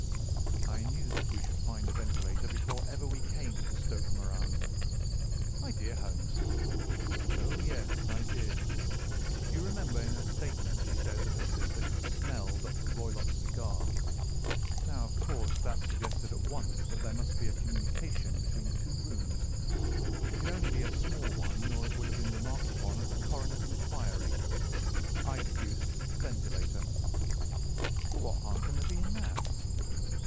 "I knew that we should find a ventilator before ever we came to Stoke Moran." "My dear Holmes!" "Oh, yes, I did. You remember in her statement she said that her sister could smell Dr. Roylott's cigar. Now, of course that suggested at once that there must be a communication between the two rooms. It could only be a small one, or it would have been remarked upon at the coroner's inquiry. I deduced a ventilator." "But what harm can there be in that?"